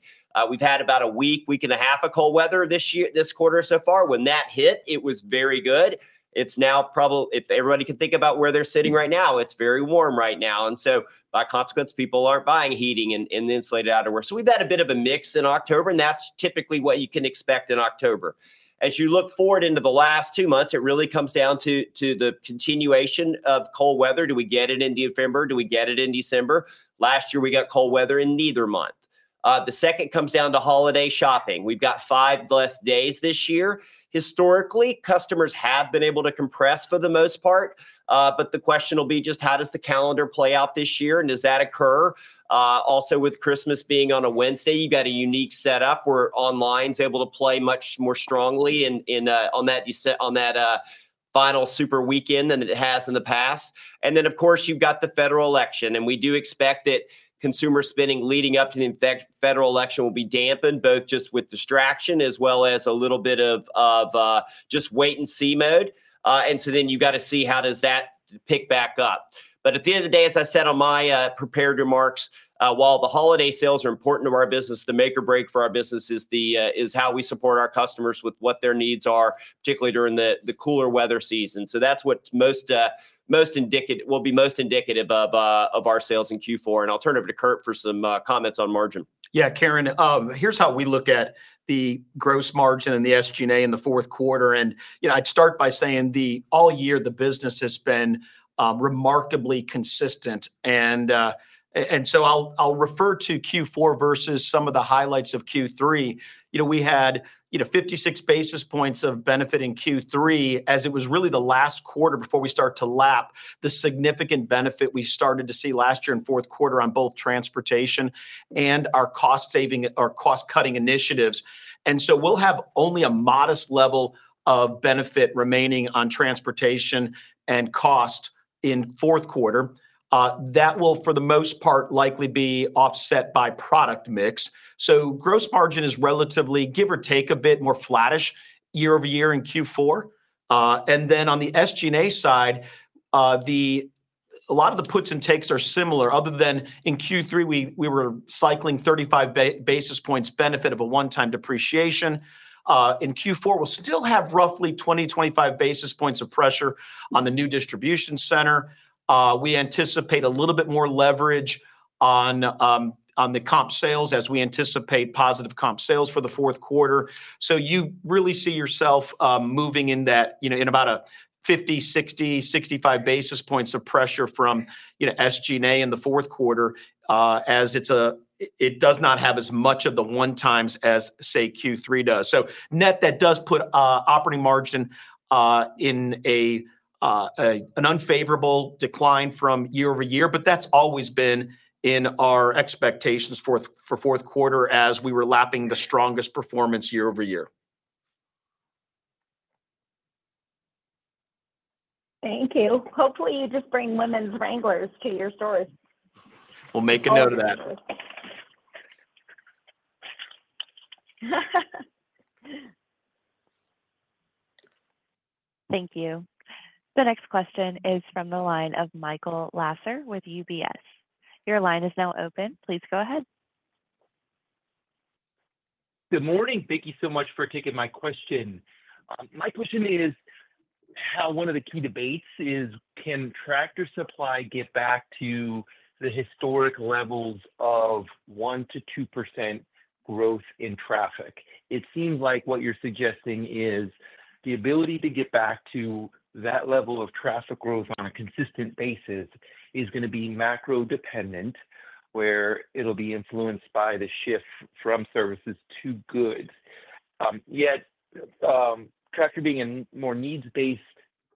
We've had about a week and a half of cold weather this quarter, so far. When that hit, it was very good. It's now, if everybody can think about where they're sitting right now, it's very warm right now, and so by consequence, people aren't buying heating and the insulated outerwear. So we've had a bit of a mix in October, and that's typically what you can expect in October. As you look forward into the last two months, it really comes down to the continuation of cold weather. Do we get it in November? Do we get it in December? Last year, we got cold weather in neither month. The second comes down to holiday shopping. We've got five less days this year. Historically, customers have been able to compress for the most part, but the question will be: just how does the calendar play out this year, and does that occur? Also, with Christmas being on a Wednesday, you've got a unique setup where online's able to play much more strongly in on that final super weekend than it has in the past. And then, of course, you've got the federal election, and we do expect that consumer spending leading up to the federal election will be dampened, both just with distraction as well as a little bit of, of, just wait and see mode. And so then you've got to see how does that pick back up. But at the end of the day, as I said on my prepared remarks, while the holiday sales are important to our business, the make or break for our business is how we support our customers with what their needs are, particularly during the cooler weather season. So that's what's most indicative--will be most indicative of our sales in Q4, and I'll turn it over to Kurt for some comments on margin. Yeah, Karen, here's how we look at the gross margin and the SG&A in the fourth quarter. And, you know, I'd start by saying all year, the business has been remarkably consistent. And so I'll refer to Q4 versus some of the highlights of Q3. You know, we had, you know, fifty-six basis points of benefit in Q3, as it was really the last quarter before we start to lap the significant benefit we started to see last year in fourth quarter on both transportation and our cost saving or cost-cutting initiatives. And so we'll have only a modest level of benefit remaining on transportation and cost-... in fourth quarter, that will, for the most part, likely be offset by product mix. So gross margin is relatively, give or take, a bit more flattish year over year in Q4. And then on the SG&A side, a lot of the puts and takes are similar, other than in Q3, we were cycling thirty-five basis points benefit of a one-time depreciation. In Q4, we'll still have roughly twenty, twenty-five basis points of pressure on the new distribution center. We anticipate a little bit more leverage on, on the comp sales as we anticipate positive comp sales for the fourth quarter. So you really see yourself moving in that, you know, in about 50, 60, 65 basis points of pressure from, you know, SG&A in the fourth quarter, as it does not have as much of the one times as, say, Q3 does. So net, that does put operating margin in an unfavorable decline from year over year, but that's always been in our expectations for fourth quarter as we were lapping the strongest performance year over year. Thank you. Hopefully, you just bring women's Wranglers to your stores. We'll make a note of that. Thank you. The next question is from the line of Michael Lasser with UBS. Your line is now open. Please go ahead. Good morning. Thank you so much for taking my question. My question is, how one of the key debates is, can Tractor Supply get back to the historic levels of 1%-2% growth in traffic? It seems like what you're suggesting is the ability to get back to that level of traffic growth on a consistent basis is gonna be macro-dependent, where it'll be influenced by the shift from services to goods. Yet, Tractor being a more needs-based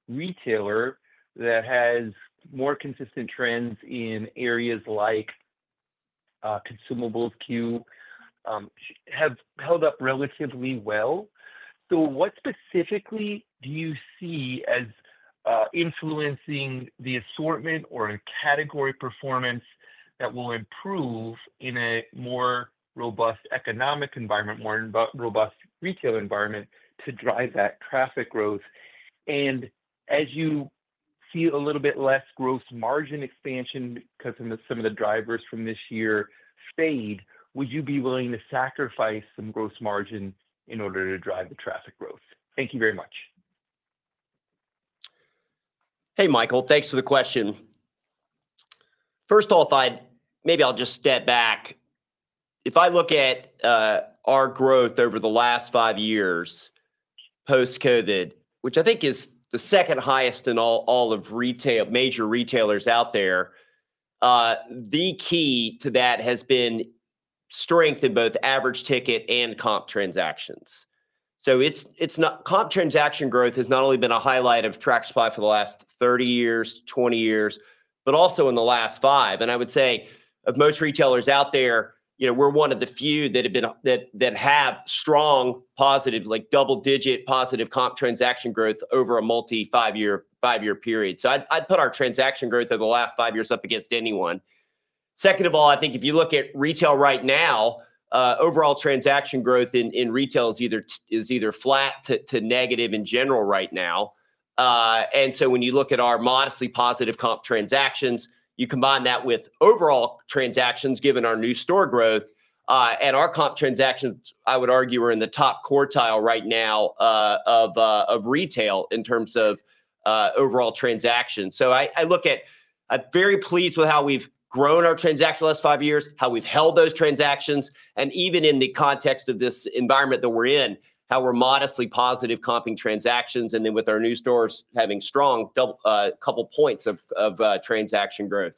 retailer that has more consistent trends in areas like consumables, such have held up relatively well. So what specifically do you see as influencing the assortment or in category performance that will improve in a more robust economic environment, more robust retail environment, to drive that traffic growth? As you see a little bit less gross margin expansion because some of the drivers from this year fade. Would you be willing to sacrifice some gross margin in order to drive the traffic growth? Thank you very much. Hey, Michael. Thanks for the question. First of all, maybe I'll just step back. If I look at our growth over the last five years, post-COVID, which I think is the second highest in all of retail, major retailers out there, the key to that has been strength in both average ticket and comp transactions. So it's not comp transaction growth has not only been a highlight of Tractor Supply for the last thirty years, twenty years, but also in the last five. And I would say, of most retailers out there, you know, we're one of the few that have been that have strong, positive, like, double-digit positive comp transaction growth over a multi five-year period. So I'd put our transaction growth over the last five years up against anyone. Second of all, I think if you look at retail right now, overall transaction growth in retail is either flat to negative in general right now. And so when you look at our modestly positive comp transactions, you combine that with overall transactions, given our new store growth, and our comp transactions, I would argue, are in the top quartile right now, of retail in terms of overall transactions. So I look at. I'm very pleased with how we've grown our transactions the last five years, how we've held those transactions, and even in the context of this environment that we're in, how we're modestly positive comping transactions, and then with our new stores having strong double couple points of transaction growth.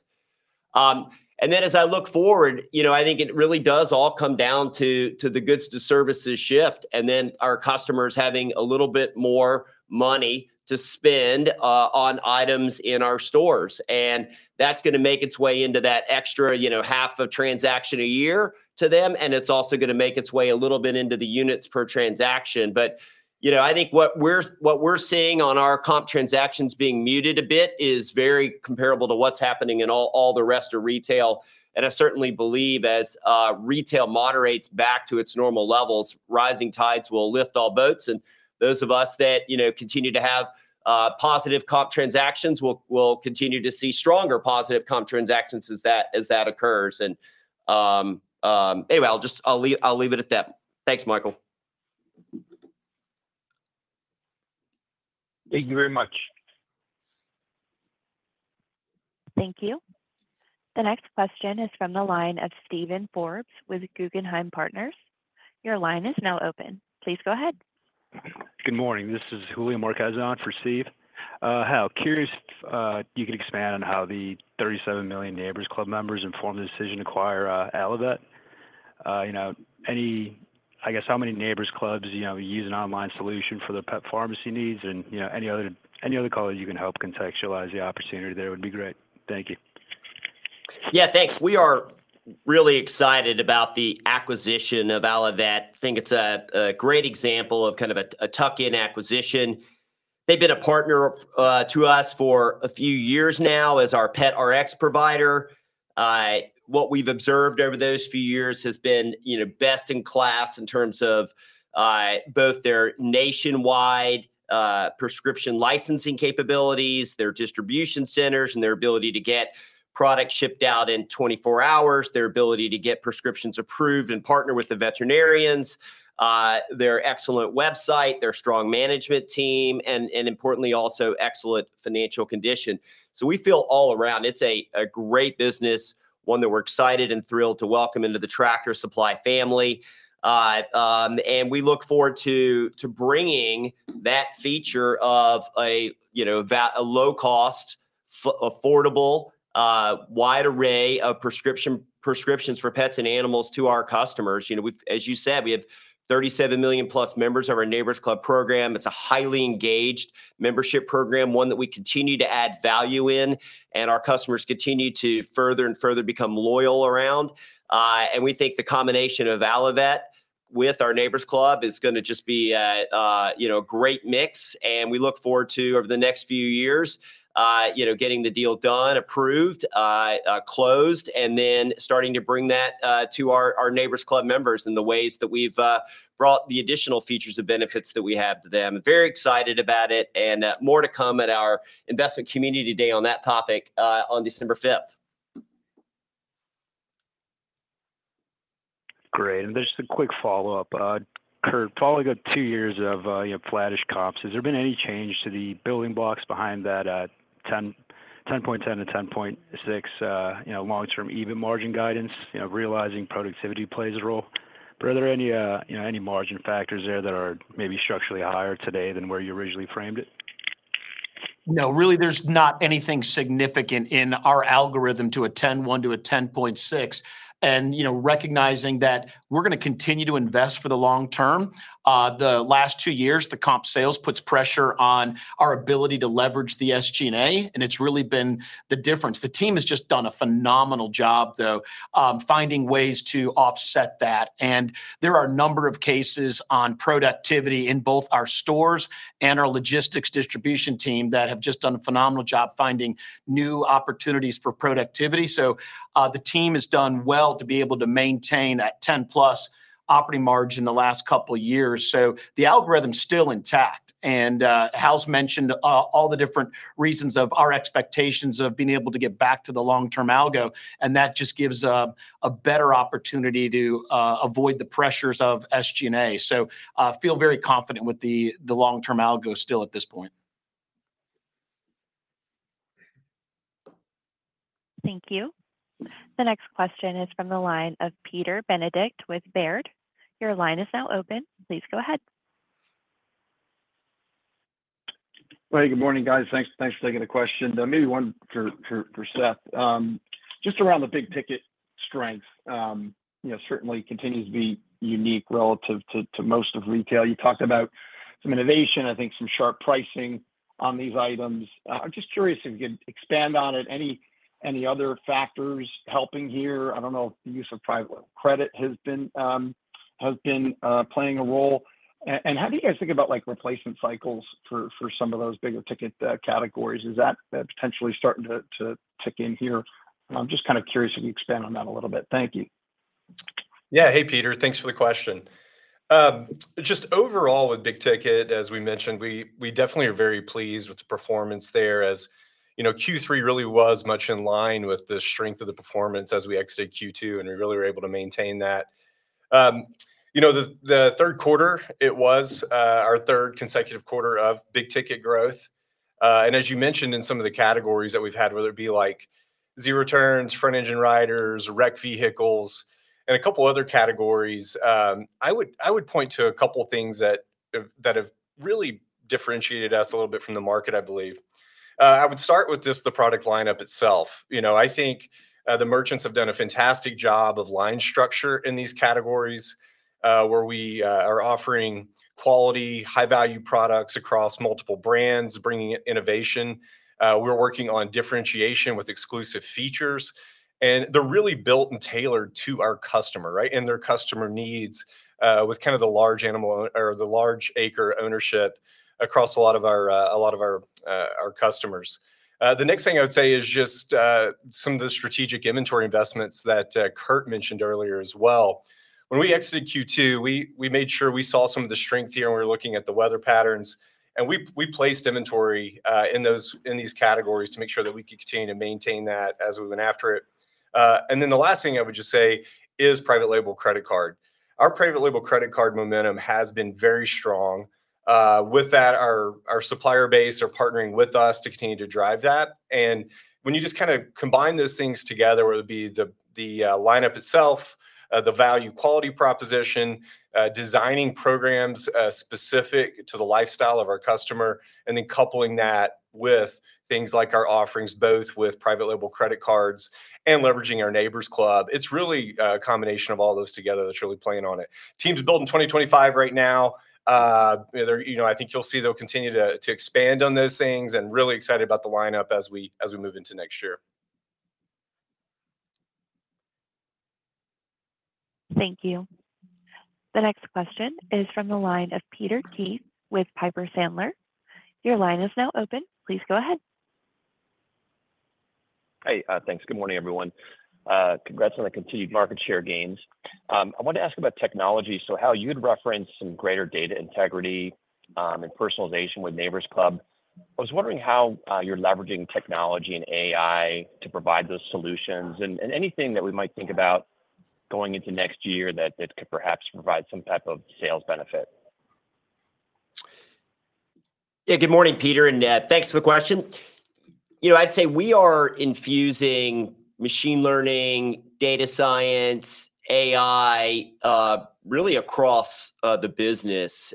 And then as I look forward, you know, I think it really does all come down to the goods to services shift, and then our customers having a little bit more money to spend on items in our stores. And that's gonna make its way into that extra, you know, half a transaction a year to them, and it's also gonna make its way a little bit into the units per transaction. But, you know, I think what we're seeing on our comp transactions being muted a bit is very comparable to what's happening in all the rest of retail. And I certainly believe as retail moderates back to its normal levels, rising tides will lift all boats, and those of us that, you know, continue to have positive comp transactions will continue to see stronger positive comp transactions as that occurs. And, anyway, I'll just leave it at that. Thanks, Michael. Thank you very much. Thank you. The next question is from the line of Steven Forbes, with Guggenheim Partners. Your line is now open. Please go ahead. Good morning. This is Julio Marczan for Steve. I was curious if you could expand on how the 37 million Neighbor's Club members informed the decision to acquire Allivet? You know, any I guess how many Neighbor's Clubs you know use an online solution for their pet pharmacy needs? And, you know, any other color you can help contextualize the opportunity there would be great. Thank you.... Yeah, thanks. We are really excited about the acquisition of Allivet. I think it's a great example of kind of a tuck-in acquisition. They've been a partner to us for a few years now as our pet Rx provider. What we've observed over those few years has been, you know, best-in-class in terms of both their nationwide prescription licensing capabilities, their distribution centers, and their ability to get product shipped out in twenty-four hours, their ability to get prescriptions approved and partner with the veterinarians, their excellent website, their strong management team, and importantly, also excellent financial condition. So we feel all around it's a great business, one that we're excited and thrilled to welcome into the Tractor Supply family. And we look forward to bringing that feature of, you know, a low-cost, affordable wide array of prescriptions for pets and animals to our customers. You know, we've, as you said, we have thirty-seven million-plus members of our Neighbor's Club program. It's a highly engaged membership program, one that we continue to add value in, and our customers continue to further and further become loyal around. And we think the combination of Allivet with our Neighbor's Club is gonna just be a great mix, and we look forward to, over the next few years, getting the deal done, approved, closed, and then starting to bring that to our Neighbor's Club members in the ways that we've brought the additional features and benefits that we have to them. Very excited about it, and more to come at our investment community day on that topic, on December fifth. Great, and just a quick follow-up. Kurt, following a two years of, you know, flattish comps, has there been any change to the building blocks behind that, ten point ten to ten point six, you know, long-term EBIT margin guidance? You know, realizing productivity plays a role. But are there any, you know, any margin factors there that are maybe structurally higher today than where you originally framed it? No, really there's not anything significant in our algorithm to a 10.1 to a 10.6. And you know, recognizing that we're gonna continue to invest for the long term. The last two years, the comp sales puts pressure on our ability to leverage the SG&A, and it's really been the difference. The team has just done a phenomenal job, though, finding ways to offset that. And there are a number of cases on productivity in both our stores and our logistics distribution team that have just done a phenomenal job finding new opportunities for productivity. So the team has done well to be able to maintain that 10-plus operating margin the last couple of years. So the algorithm's still intact, and Hal's mentioned all the different reasons of our expectations of being able to get back to the long-term algo, and that just gives a better opportunity to avoid the pressures of SG&A. So, feel very confident with the long-term algo still at this point. Thank you. The next question is from the line of Peter Benedict with Baird. Your line is now open. Please go ahead. Good morning, guys. Thanks, thanks for taking the question. Maybe one for Seth. Just around the big ticket strength, you know, certainly continues to be unique relative to most of retail. You talked about some innovation, I think some sharp pricing on these items. I'm just curious if you could expand on it. Any other factors helping here? I don't know if the use of private credit has been playing a role. And how do you guys think about, like, replacement cycles for some of those bigger ticket categories? Is that potentially starting to kick in here? I'm just kind of curious if you expand on that a little bit. Thank you. Yeah. Hey, Peter. Thanks for the question. Just overall, with big ticket, as we mentioned, we definitely are very pleased with the performance there. As you know, Q3 really was much in line with the strength of the performance as we exited Q2, and we really were able to maintain that. You know, the third quarter, it was our third consecutive quarter of big ticket growth. And as you mentioned in some of the categories that we've had, whether it be like zero-turn mowers, front-engine riders, rec vehicles, and a couple other categories, I would point to a couple things that have really differentiated us a little bit from the market, I believe. I would start with just the product lineup itself. You know, I think the merchants have done a fantastic job of line structure in these categories where we are offering quality, high-value products across multiple brands, bringing innovation. We're working on differentiation with exclusive features, and they're really built and tailored to our customer, right, and their customer needs with kind of the large animal or the large acre ownership across a lot of our customers. The next thing I would say is just some of the strategic inventory investments that Kurt mentioned earlier as well. When we exited Q2, we made sure we saw some of the strength here, and we were looking at the weather patterns, and we placed inventory in these categories to make sure that we could continue to maintain that as we went after it. And then the last thing I would just say is private label credit card. Our private label credit card momentum has been very strong. With that, our supplier base are partnering with us to continue to drive that. And when you just kind of combine those things together, whether it be the lineup itself, the value quality proposition, designing programs specific to the lifestyle of our customer, and then coupling that with things like our offerings, both with private label credit cards and leveraging our Neighbor's Club, it's really a combination of all those together that's really playing on it. Team's building 2025 right now. You know, I think you'll see they'll continue to expand on those things and really excited about the lineup as we move into next year.... Thank you. The next question is from the line of Peter Keith with Piper Sandler. Your line is now open. Please go ahead. Hey, thanks. Good morning, everyone. Congrats on the continued market share gains. I wanted to ask about technology. So how you'd referenced some greater data integrity and personalization with Neighbor's Club, I was wondering how you're leveraging technology and AI to provide those solutions and anything that we might think about going into next year that could perhaps provide some type of sales benefit? Yeah. Good morning, Peter, and thanks for the question. You know, I'd say we are infusing machine learning, data science, AI really across the business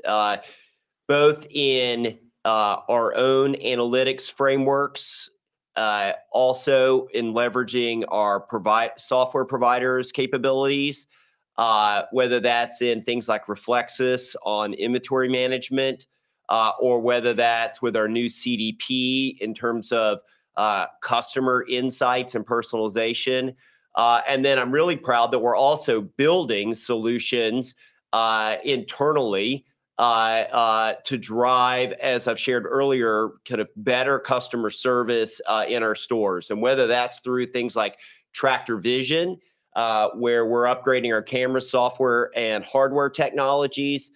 both in our own analytics frameworks also in leveraging our providers' software capabilities whether that's in things like Reflexis on inventory management or whether that's with our new CDP in terms of customer insights and personalization. And then I'm really proud that we're also building solutions internally to drive, as I've shared earlier, kind of better customer service in our stores. And whether that's through things like Tractor Vision, where we're upgrading our camera software and hardware technologies,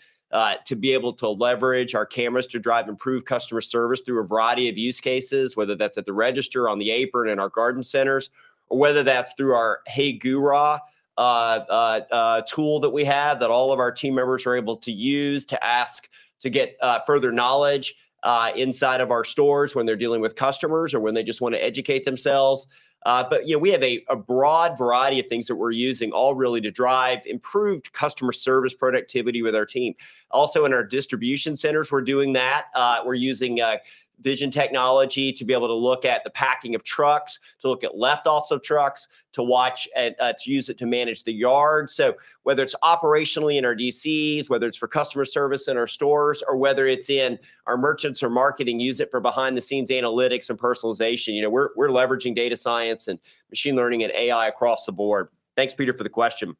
to be able to leverage our cameras to drive improved customer service through a variety of use cases, whether that's at the register, on the apron, in our garden centers, or whether that's through our Hey GURA tool that we have that all of our team members are able to use to ask to get further knowledge inside of our stores when they're dealing with customers or when they just want to educate themselves. But, you know, we have a broad variety of things that we're using all really to drive improved customer service productivity with our team. Also, in our distribution centers, we're doing that. We're using vision technology to be able to look at the packing of trucks, to look at left offs of trucks, to watch, to use it to manage the yard. So whether it's operationally in our DCs, whether it's for customer service in our stores, or whether it's in our merchandising or marketing, use it for behind-the-scenes analytics and personalization, you know, we're leveraging data science and machine learning and AI across the board. Thanks, Peter, for the question.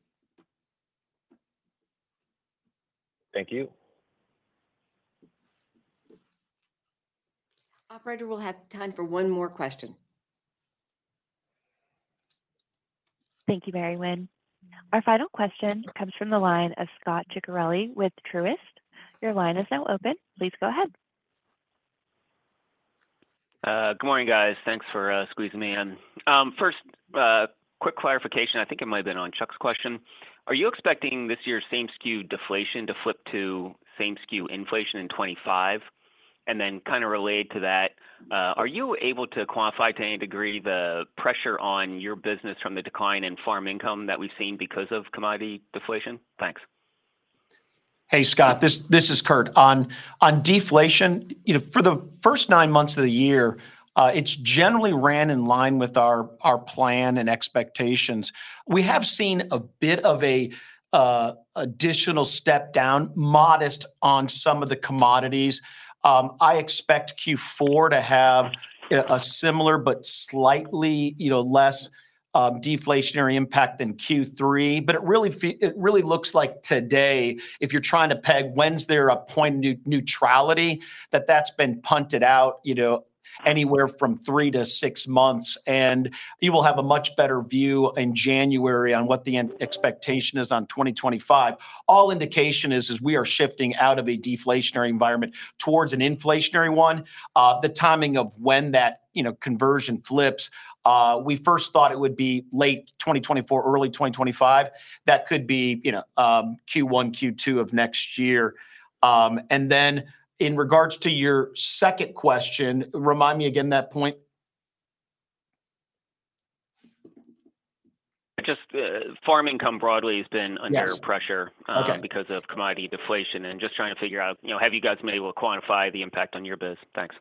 Thank you. Operator, we'll have time for one more question. Thank you, Mary Winn. Our final question comes from the line of Scott Ciccarelli with Truist. Your line is now open. Please go ahead. Good morning, guys. Thanks for squeezing me in. First, quick clarification. I think it might have been on Chuck's question. Are you expecting this year's same-SKU deflation to flip to same-SKU inflation in twenty-five? And then kind of related to that, are you able to quantify to any degree the pressure on your business from the decline in farm income that we've seen because of commodity deflation? Thanks. Hey, Scott, this is Kurt. On deflation, you know, for the first nine months of the year, it's generally ran in line with our plan and expectations. We have seen a bit of an additional step down, modest on some of the commodities. I expect Q4 to have a similar but slightly, you know, less deflationary impact than Q3. It really looks like today, if you're trying to peg when's there a point neutrality, that's been punted out, you know, anywhere from three to six months, and you will have a much better view in January on what the end expectation is on twenty twenty-five. All indication is we are shifting out of a deflationary environment towards an inflationary one. The timing of when that, you know, conversion flips, we first thought it would be late 2024, early 2025. That could be, you know, Q1, Q2 of next year. And then in regards to your second question, remind me again that point? Just, farm income broadly has been- Yes... under pressure. Okay... because of commodity deflation. And just trying to figure out, you know, have you guys been able to quantify the impact on your biz? Thanks.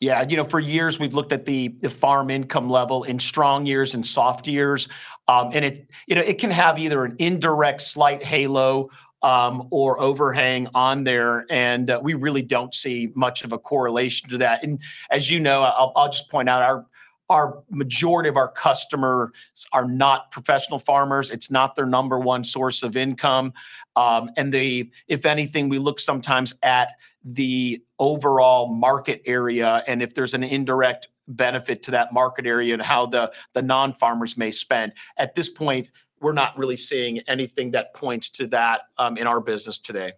Yeah. You know, for years, we've looked at the farm income level in strong years and soft years. And it, you know, it can have either an indirect slight halo or overhang on there, and we really don't see much of a correlation to that. And as you know, I'll just point out, our majority of our customers are not professional farmers. It's not their number one source of income. And they, if anything, we look sometimes at the overall market area, and if there's an indirect benefit to that market area and how the non-farmers may spend. At this point, we're not really seeing anything that points to that in our business today.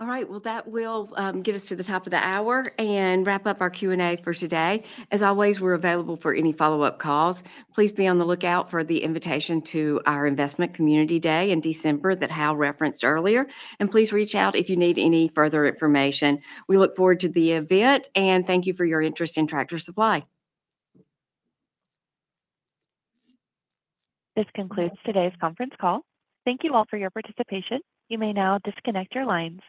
All right, well, that will get us to the top of the hour and wrap up our Q&A for today. As always, we're available for any follow-up calls. Please be on the lookout for the invitation to our Investment Community Day in December that Hal referenced earlier, and please reach out if you need any further information. We look forward to the event, and thank you for your interest in Tractor Supply. This concludes today's conference call. Thank you all for your participation. You may now disconnect your lines.